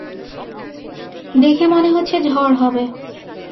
দেখে মনে হচ্ছে ঝড় হবে।